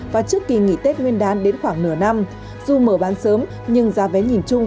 và trước kỳ nghỉ tết nguyên đán đến khoảng nửa năm dù mở bán sớm nhưng giá vé nhìn chung